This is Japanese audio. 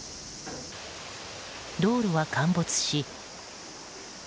道路は陥没し。